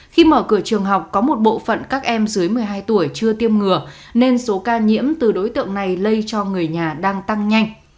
khi mở cửa trường học có một bộ phận các em dưới một mươi hai tuổi chưa tiêm ngừa nên số ca nhiễm từ đối tượng này lây cho người nhà đang tăng nhanh